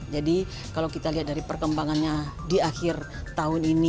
jadi kalau kita lihat dari perkembangannya di akhir tahun ini